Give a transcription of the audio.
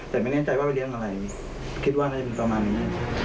แต่ไม่แน่ใจว่าไปเลี้ยงอะไรคิดว่าน่าจะเป็นประมาณนั้น